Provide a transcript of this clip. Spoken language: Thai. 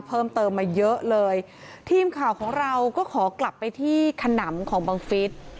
เพิ่มเติมมาเยอะเลยทีมข่าวของเราก็ขอกลับไปที่ขนำของบังฟิศ